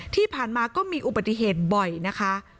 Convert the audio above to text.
ที่ผ่านมาก็มีอุบัติเหตุบ่อยนะคะ